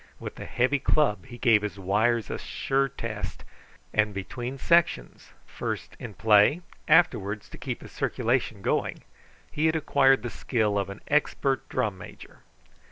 With the heavy club he gave his wires a sure test, and between sections, first in play, afterward to keep his circulation going, he had acquired the skill of an expert drum major.